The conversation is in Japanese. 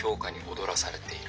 踊らされてる？